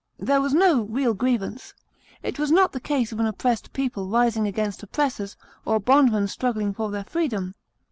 There was no real grievance. It was not the case of an oppressed people rising against oppressors, or bondmen struggling for their freedom.